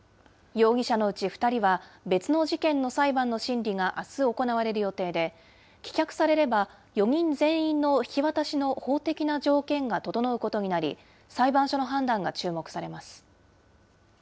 容疑者のうち２人は別の事件の裁判の審理があす行われる予定で、棄却されれば、４人全員の引き渡しの法的な条件が整うことになり、裁判所の判断が注目されます。